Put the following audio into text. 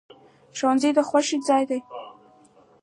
ښوونځی د خوښۍ ځای دی